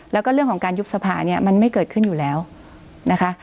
แล้วก็เรื่องของการยุบสภาเนี่ยมันไม่เกิดขึ้นอยู่แล้วนะคะ